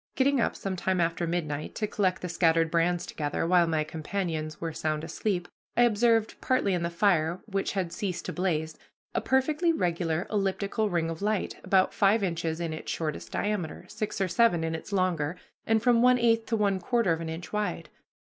Getting up some time after midnight to collect the scattered brands together, while my companions were sound asleep, I observed, partly in the fire, which had ceased to blaze, a perfectly regular elliptical ring of light, about five inches in its shortest diameter, six or seven in its longer, and from one eighth to one quarter of an inch wide.